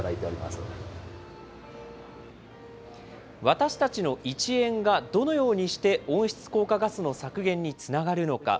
私たちの１円が、どのようにして温室効果ガスの削減につながるのか。